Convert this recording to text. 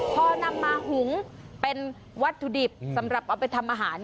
พอนำมาหุงเป็นวัตถุดิบสำหรับเอาไปทำอาหาร